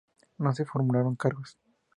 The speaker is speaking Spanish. No se formularon cargos.